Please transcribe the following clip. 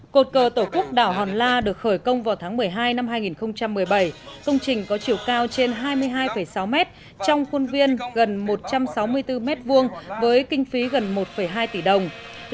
cột cờ tổ quốc đảo hòn la được khởi công vào tháng một mươi hai năm hai nghìn một mươi bảy công trình có chiều cao trên hai mươi hai sáu mét trong khuôn viên gần một trăm sáu mươi bốn m hai với kinh phí gần một hai tỷ đồng